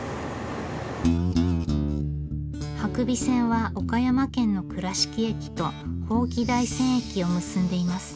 伯備線は岡山県の倉敷駅と伯耆大山駅を結んでいます。